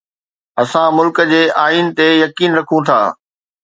اسان ملڪ جي آئين تي يقين رکون ٿا.